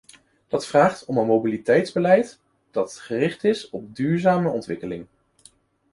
Dat vraagt om een mobiliteitsbeleid dat gericht is op duurzame ontwikkeling.